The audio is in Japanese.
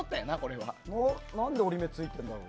何で折り目ついてるんだろう。